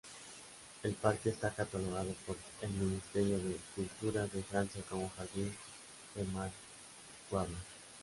El parque está catalogado por el Ministerio de Cultura de Francia como Jardin Remarquable.